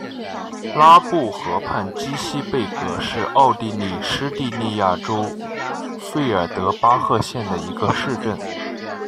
拉布河畔基希贝格是奥地利施蒂利亚州费尔德巴赫县的一个市镇。